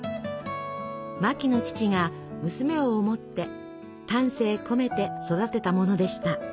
マキの父が娘を思って丹精込めて育てたものでした。